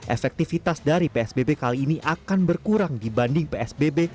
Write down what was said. efektivitas dari psbb kali ini akan berkurang dibanding psbb